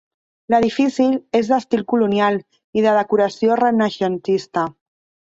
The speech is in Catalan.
L'edifici és d'estil colonial i de decoració renaixentista.